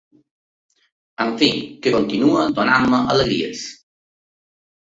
En fi, que continua donant-me alegries.